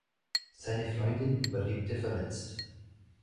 Seine Freundin überlebte verletzt.